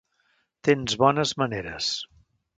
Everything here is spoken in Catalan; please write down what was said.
Tens bones maneres.